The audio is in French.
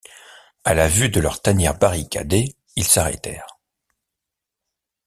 À la vue de leur tanière barricadée, ils s’arrêtèrent.